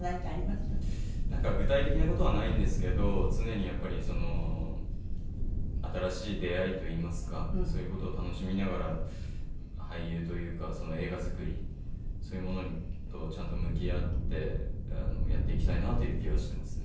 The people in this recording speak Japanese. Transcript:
具体的な事はないんですけど常にやっぱりその新しい出会いといいますかそういう事を楽しみながら俳優というか映画作りそういうものとちゃんと向き合ってやっていきたいなという気はしてますね。